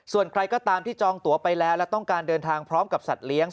ส่วนใครก็ตามที่จองตัวไปแล้วและต้องการเดินทางพร้อมกับสัตว์เลี้ยง